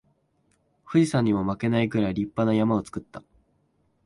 富士山にも負けないくらい立派な山を作った